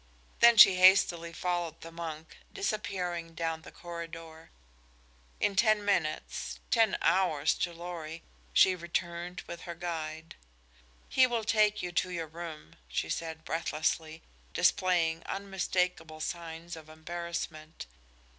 Then she hastily followed the monk, disappearing down the corridor. In ten minutes ten hours to Lorry she returned with her guide. "He will take you to your room," she said breathlessly, displaying unmistakable signs of embarrassment.